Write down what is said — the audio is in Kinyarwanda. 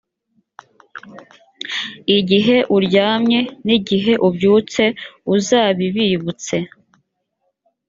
igihe uryamye n’igihe ubyutse uzabibibutse